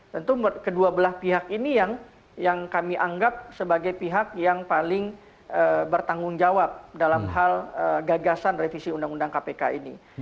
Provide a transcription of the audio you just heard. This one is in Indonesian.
tentu kedua belah pihak ini yang kami anggap sebagai pihak yang paling bertanggung jawab dalam hal gagasan revisi undang undang kpk ini